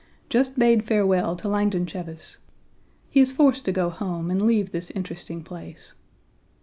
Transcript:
Just bade farewell to Langdon Cheves. He is forced to go home and leave this interesting place.